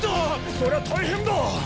そりゃ大変だ！